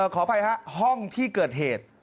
ขออภัยฮะห้องที่เกิดเหตุ